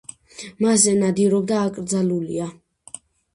მასზე ნადირობა აკრძალულია.